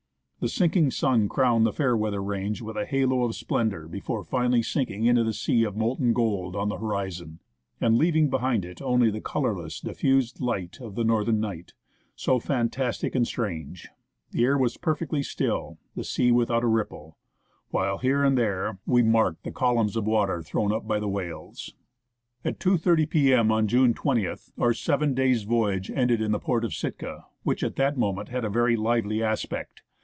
The sinking sun crowned the Fair weather range with a halo of splendour before finally sinking into the sea of molten gold on the horizon, and leaving behind it only the colourless diffused light of the northern night, so fantastic and strange. The air was perfectly still, the sea without a ripple, while here and there we marked the columns of water thrown up by whales. 38 FROM JUNEAU TO YAKUTAT At 2.30 p.m., on June 20th, our seven days' voyage ended in the port of Sitka, which at that moment had a very Hvely aspect.